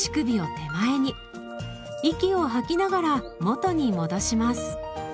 息を吐きながら元に戻します。